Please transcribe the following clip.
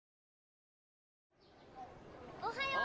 おはよう！